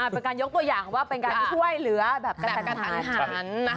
เป็นการยกตัวอย่างว่าเป็นการช่วยเหลือแบบกระทันหัน